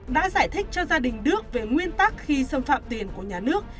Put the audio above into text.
đã giải thích cho gia đình đức về nguyên tắc khi xâm phạm tiền của nhà nước